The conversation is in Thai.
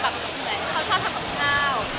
เขาชอบทำกับข้าว